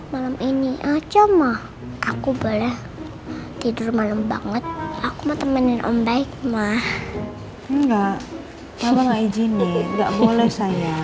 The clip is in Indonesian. malam ini aja mah aku boleh tidur malam banget aku mau temenin om baik mah enggak izinin nggak boleh saya